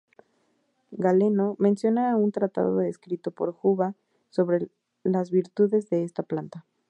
Galeno menciona un tratado escrito por Juba sobre las virtudes de esta planta.